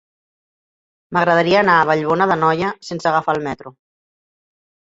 M'agradaria anar a Vallbona d'Anoia sense agafar el metro.